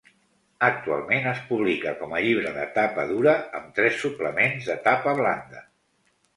Actualment, es publica com a llibre de tapa dura amb tres suplements de tapa blanda.